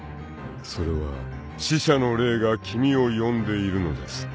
［それは死者の霊が君を呼んでいるのです］